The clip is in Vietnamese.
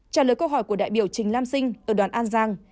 trả lời câu hỏi của đại biểu trình lam sinh ở đoàn an giang